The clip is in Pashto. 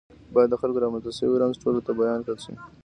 باید د خلکو رامنځته شوی رنځ ټولو ته بیان کړل شي.